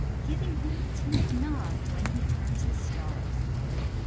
Giving him a timid nod when he turns his stars.